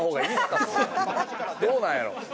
どうなんやろう？